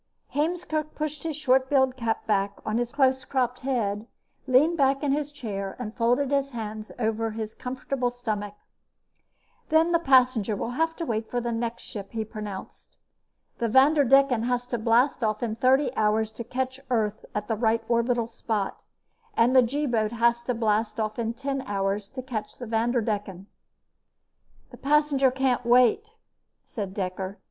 Heemskerk pushed his short billed cap back on his close cropped head, leaned back in his chair and folded his hands over his comfortable stomach. "Then the passenger will have to wait for the next ship," he pronounced. "The Vanderdecken has to blast off in thirty hours to catch Earth at the right orbital spot, and the G boat has to blast off in ten hours to catch the Vanderdecken." "This passenger can't wait," said Dekker.